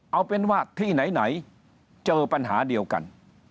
เอาเป็นว่าที่ไหนเจอปัญหาเดียวกัน